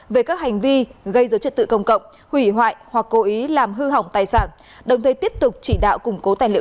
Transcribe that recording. về các hành vi gây do trật tự công cộng hủy hoại hoặc cố ý làm hư hỏng tài sản